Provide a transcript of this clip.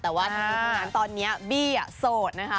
แต่ว่าตอนนี้บี้โสดนะคะ